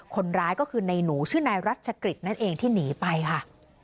คนร้ายก็คือในหนูชื่อนายรัชกฤษนั่นเองที่หนีไปค่ะ